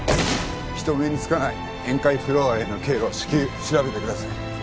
人目につかない宴会フロアへの経路を至急調べてください。